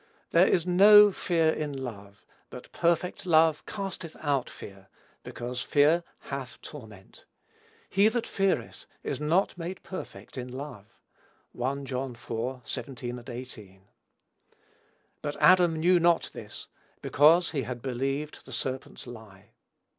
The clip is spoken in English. "There is no fear in love; but perfect love casteth out fear, because fear hath torment. He that feareth is not made perfect in love." (1 John iv. 17, 18.) But Adam knew not this, because he had believed the serpent's lie.